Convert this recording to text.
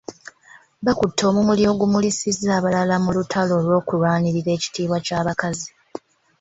Bakutte omumuli ogumulisiza abalala mu lutalo olw’okulwanirira ekitiibwa ky’abakazi .